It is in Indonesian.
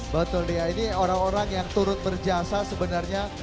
betul dia ini orang orang yang turut berjasa sebenarnya